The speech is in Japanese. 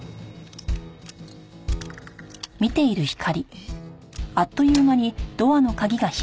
えっ！？